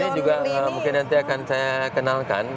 ini juga mungkin nanti akan saya kenalkan